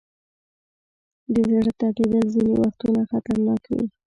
د زړه ټپېدل ځینې وختونه خطرناک وي.